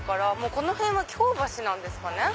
この辺は京橋なんですかね。